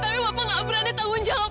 tapi bapak tidak pernah ada tanggung jawab